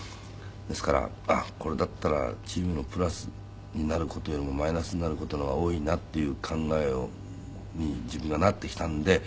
ですからあっこれだったらチームのプラスになる事よりもマイナスになる事の方が多いなっていう考えに自分がなってきたんで。